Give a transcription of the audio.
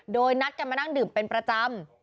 โดยนัดกันมานั่งดื่มเป็นประจำ